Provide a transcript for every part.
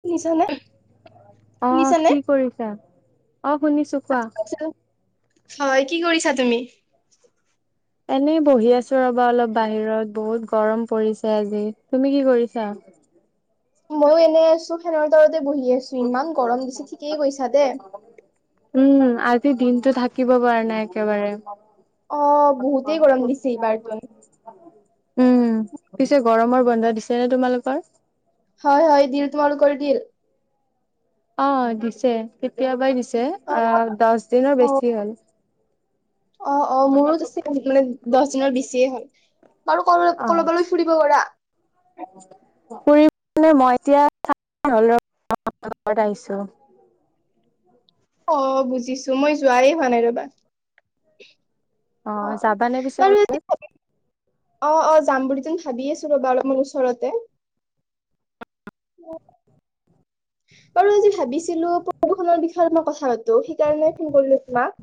শুনিছানে? অ', শুনিছানে? কি কৰিছা? অ', শুনিছো আ কোৱা। হয়, কি কৰিছা তুমি? এনেই বহি আছোঁ ৰবা অলপ বাহিৰত বহুত গৰম পৰিছে আজি। তুমি কি কৰিছা? ময়ো এনেই আছোঁ ফেনৰ তলতে বহি আছোঁ ইমান গৰম দিছে, ঠিকেই কৈছা দে। উম আজি দিনটো থাকিব পৰা নাই একেবাৰে। অ বহুতেই গৰম দিছে এইবাৰতোন [unintelligible] উম, পিছে গৰমৰ বন্ধ দিছে নে তোমালোকৰ? হয় হয় দিল। তোমালোকৰ দিল? অঁ দিছে কেতিয়াবাই দিছে অ আহ দছ দিনৰ বেছি হ'ল। অঁ অঁ মোৰো মানে দছ দিনৰ বেছিয়ে হ'ল। বাৰু ক'বালৈ অ', ক'ৰবালৈ ফুৰিব গলা? [unintelligible] ফুৰিবলৈ মই এতিয়া [unintelligible] আহিছোঁ। অঁ বুজিছো মই যোৱাই হোৱা নাই ৰবা। অ', অঁ যাবানে পিছে বাৰু কৰবাত? এতিয়া অঁ অঁ যাম বুলি তোন ভাবি আছোঁ ৰ'বা অলপ মান ওচৰতে। বাৰু আজি ভাবিছিলোঁ প্ৰদূষণৰ বিষয়ত মই কথা পাতোঁ, সেইকাৰণে ফোন কৰিলোঁ তোমাক',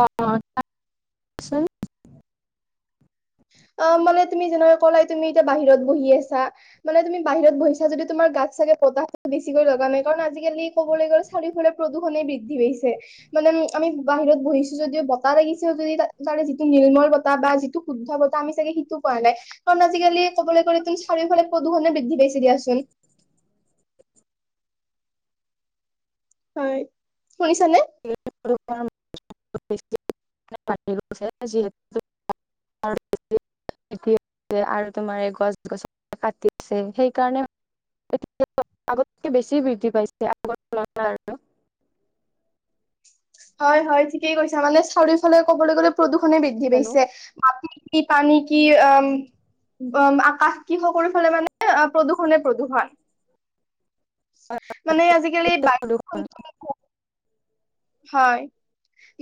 অ', - অ', তাত', চোন', অ', মানে তুমি যেনেকে ক'লাই তুমি এতিয়া বাহিৰত বহি আছা', মানে তুমি বাহিৰত বহিছা যদিও তোমাৰ গাত চাগে বতাহটো বেছিকৈ লগা নাই কাৰণ আজিকালি ক'বলৈ গ'ল', চাৰিওফালে প্ৰদূষণে বৃদ্ধি পাইছে', মানে হম', আমি বাহিৰত বহিছোঁ যদিও বতাহ লাগিছে যদি তাৰে যিটো নিৰ্মল বতাহ বা যিটো শুদ্ধ বতা', আমি চাগে সিটো পোৱা নাই কাৰণ আজিকালি ক'বলৈ গ'লে তো চাৰিওফালে প্ৰদূষণে বৃদ্ধি পাইছে দিয়াচোন', হয়, শুনিছা নে? [unintelligible] [unintelligible] বৃদ্ধি হৈছে আৰু তোমাৰ এই গছ-গছনি কাটি আছে সেইকাৰণে', সেইটোৱে আগতকে বেছি বৃদ্ধি পাইছে আগৰ তুলনাত আৰু', হয়', - হয়', ঠিকেই কৈছা মানে চাৰিওফালে ক'বলৈ গ'লে প্ৰদূষণে বৃদ্ধি হেল্ল' পাইছে, মাটি', কি পানী কি অ', আকাশ', কি সকলো ফালে মানে অ', প্ৰদূষণে প্ৰদূৰষণ', মানে আজিকালি বায়ু প্ৰদূষণ', হয়',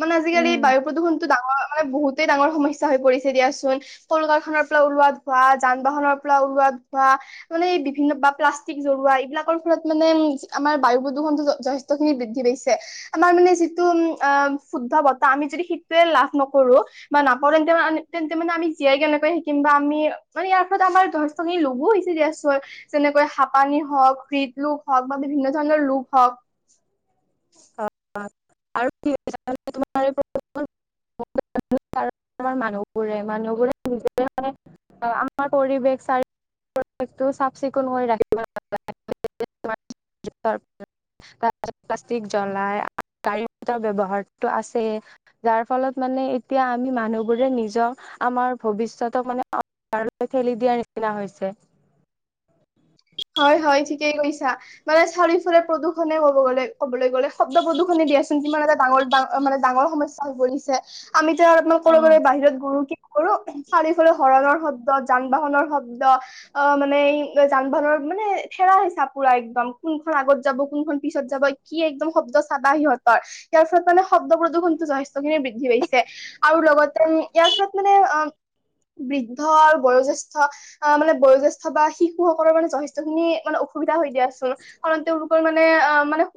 মানে আজিকালি এই বায়ু প্ৰদূষণ', সেইটো ডাঙৰ মানে বহুতেই ডাঙৰ সমস্যা হৈ পৰিছে দিয়াচোন', কলকাৰখনৰ পৰা উলোৱা ধোৱা, যান-বাহনৰ পৰা উলোৱা ধোৱা', মানে এই বিভিন্ন বা প্লাষ্টিক জ্বলোয়া এইবিলাকৰ ফলত মানে উম', আমাৰ বায়ু প্ৰদূষণটো য', -যথেষ্ট', যথেষ্টখিনি বৃদ্ধি পাইছে', আমাৰ মানে যিটো উম', -অহ', শুদ্ধ বতাহ আমি যদি সেইটোৱে লাভ নকৰোঁ ', বা নাপাওঁ তেন্তে মানে আ', তেন্তে মানে আমি জীয়াই কেনেকে শিকিম বা আমি ইয়াৰ ফলত আমাৰ‌ ধৰ', শো সি ল'ব হৈছে দিয়াচোন', যেনেকৈ হাপানী হওঁক, হৃদৰোগ হওঁক, বা বিভিন্ন ধৰণৰ ৰোগ হওঁক', [unintelligible] আমাৰ মানুহবোৰে-মানুহবোৰে নিজে মানে', আমাৰ পৰিৱেশ চাৰিফালে পৰিৱেশতো চাফ-চিকুণ কৰি ৰাখিব লাগে', তাৰপিছত', প্লাষ্টিক জ্বলাই আৰু গাড়ীৰ ব্যৱহাৰটো আছেই', যাৰফলত মানে এতিয়া আমি মানুহবোৰে নিজৰ আমাৰ ভৱিষ্যতক মানে অহ', তা', ঠেলি দিয়াৰ নিচিনা হৈছে', হয়', - হয়', ঠিকেই কৈছা মানে চাৰিওফালে প্ৰদূষণে ক'ব গ'লে', ক'বলৈ গ'লে শব্দ প্ৰদূষণে দিয়াচোন কিমান এটা ডাঙৰ- ডাঙ', মানে ডাঙৰ সমস্যা হৈ পৰিছে ', আমি এতিয়া আৰু আপোনাক কৰোবাৰ অ', বাহিৰত ঘূৰো কি? কৰো, চাৰিওফালে হৰণৰ শব্দ যান-বাহনৰ শব্দ অ', মানে এই যে যান-বাহনৰ', মানে থেলা - হেছা পুৰা একদম কোনখন আগত যাব, কোনখন পিছত যাব, কি একদম শব্দ চাবা সিহঁতৰ', ইয়াৰ ফলত মানে শব্দ প্ৰদূষণতো যথেষ্টখিনি বৃদ্ধি পাইছে', আৰু লগতে ইয়াৰ ফলত মানে অ', বৃদ্ধ আৰু বয়োজ্যেষ্ঠ আহ', মানে বয়োজ্যেষ্ঠ বা শিশুসকলৰ মানে যথেষ্ট', যথেষ্টখিনি মানে অসুবিধা হৈ দিয়াচোন কাৰণ তেওঁলোকৰ মানে আহ', মানে',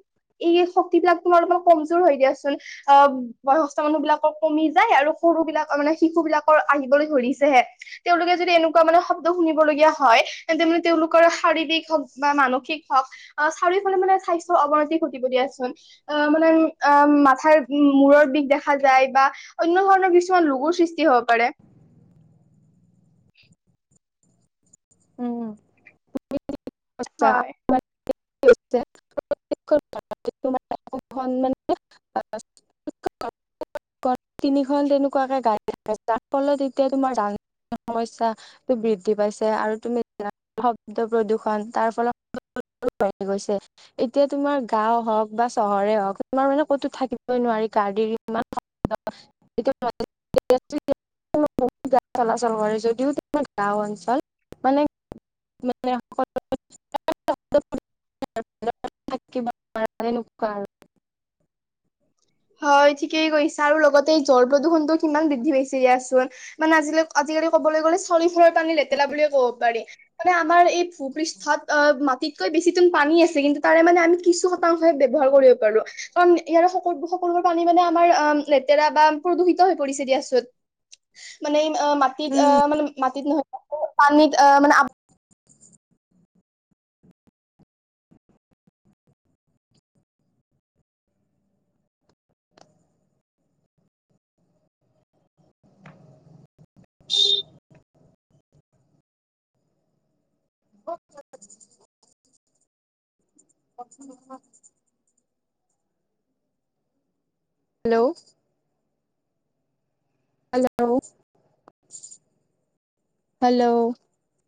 এই শক্তিবিলাক তোমাৰ অলপমান কমযোৰ হৈ দিয়াচোন', অ', বয়োজ্যেষ্ঠ মানুহ বিলাকক কমি যায় আৰু', সৰু-সৰু বিলাক মানে শিশু বিলাকৰ আহিবলৈ ধৰিছেহে তেওঁলোকে যদি এনেকুৱা মানে শব্দ', শব্দ শুনিবলগীয়া হয় তেন্তে মানে তেওঁলোকৰ শাৰীৰিক হ‌ওঁক বা', মানসিক হওঁক, অ', চাৰিওফালে মানে স্বাস্থ্যৰ অৱনতি ঘটিব দিয়াচোন', অহ', মানে অ', মাথাৰ মূৰৰ বিষ দেখা যায় বা', অন্য ধৰণৰ কিছুমান ৰোগৰ সৃষ্টি হ'ব পাৰে', উম', তুমি হয় ঠিকেই কৈছা', [unintelligible] [unintelligible] তিনিখন তেনেকুৱাকে গাড়ী তাৰ ফলত এতিয়া তোমাৰ যান যোতৰ সমস্যা বৃদ্ধি পাইছে আৰু তুমি শব্দ প্ৰদূষণ তাৰ ফলত। [unintelligible] বাঢ়ি গৈছে। এতিয়া তোমাৰ গাওঁ হওক বা চহৰে হওক তোমাৰ মানে ক'তো থাকিবই নোৱাৰি গাড়ীৰ ইমান শব্দ [unintelligible] বহুত গাড়ী চলাচল কৰে যদিও তে গাওঁ অঞ্চল মানে [unintelligible] য'ত থাকিব নোৱাৰা তেনেকুৱা আৰু হয় ঠিকেই কৈছা আৰু লগতে জল প্ৰদূষণটো কিমান বৃদ্ধি পাইছে দিয়াচোন। মানে আজিলৈ আজিকালি ক'বলৈ গ'লে চালিফালৰ পানী লেতেলা বুলিয়ে ক'ব পাৰি। মানে আমাৰ এই ভূপৃষ্ঠত অ মাটিতকৈ বেছি তুন পানী আছে কিন্তু তাৰে মানে আমি কিছু। শতাং ব্যৱহাৰ কৰিব পাৰো কাৰণ ইয়াৰ সকলো সক লো বোৰ পানী মানে আমাৰ লেতেৰা বা প্ৰদূষিত হৈ পৰিছে দিয়াচোন। মানে মাটিত অ উম, মানে মাটিত নহয় পানীত অ মানে। [unintelligible] কনচোন নোহোৱা হৈছে [unintelligible] হেল্লো'। Hello hello.